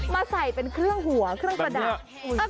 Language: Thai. มาใส่เป็นเครื่องหัวเครื่องประดับ